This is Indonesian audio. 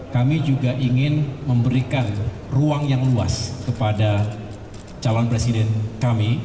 kami juga ingin memberikan ruang yang luas kepada calon presiden kami